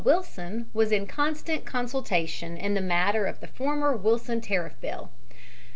Wilson was in constant consultation in the matter of the former Wilson tariff bill.